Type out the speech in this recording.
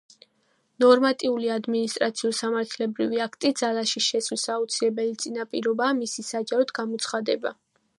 ნორმატიული ადმინისტრაციულ-სამართლებრივი აქტი ძალაში შესვლის აუცილებელი წინაპირობაა მისი საჯაროდ გამოცხადება.